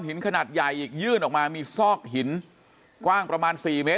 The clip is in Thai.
ขนาดใหญ่อีกยื่นออกมามีซอกหินกว้างประมาณสี่เมตร